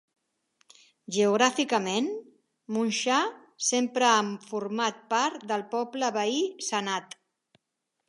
Geogràficament, Munxar sempre ha format part del poble veí Sannat.